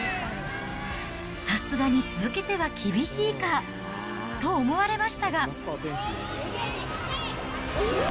さすがに続けては厳しいか、と思われましたが。